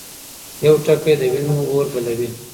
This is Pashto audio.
يو ټکی د وينو اور بلوي.